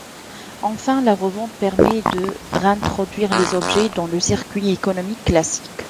Enfin, la revente permet de réintroduire les objets dans le circuit économique classique.